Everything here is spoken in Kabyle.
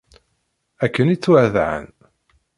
Akken i ttwadεan.